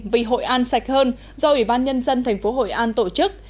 vì hội an sạch hơn do ủy ban nhân dân tp hội an tổ chức